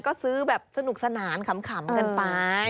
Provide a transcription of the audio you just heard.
ก็ซื้อแบบสนุกสนานขำกันไป